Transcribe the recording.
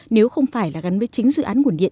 nếu không phải là gắn với chính dự án nguồn điện